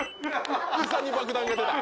膝に爆弾が出た。